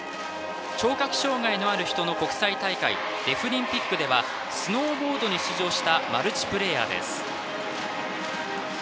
聴覚障害のある人の国際大会デフリンピックではスノーボードに出場したマルチプレーヤーです。